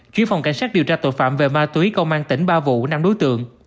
chuyên phòng cảnh sát điều tra tội phạm về ma túy công an tỉnh ba vụ